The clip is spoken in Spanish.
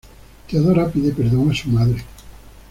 Teodora pide perdón a su madre.